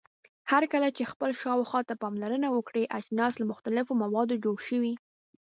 هرکله چې خپل شاوخوا ته پاملرنه وکړئ اجناس له مختلفو موادو جوړ شوي.